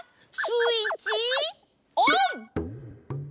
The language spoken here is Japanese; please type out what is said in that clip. スイッチオン！